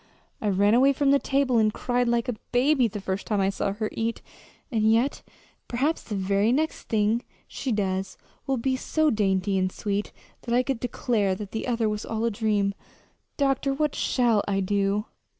I ran away from the table and cried like a baby the first time I saw her eat; and yet perhaps the very next thing she does will be so dainty and sweet that I could declare the other was all a dream. Doctor, what shall I do?"